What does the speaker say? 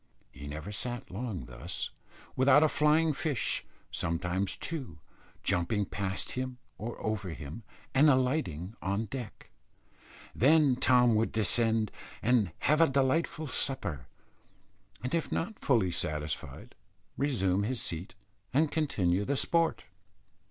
He never sat long thus without a flying fish, sometimes two, jumping past him or over him, and alighting on deck. Then Tom would descend, and have a delightful supper, and if not fully satisfied resume his seat and continue the sport.